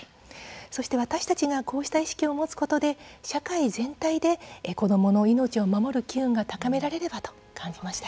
そして私たちがこうした意識を持つことで社会全体で子どもの命を守る機運が高められればと感じました。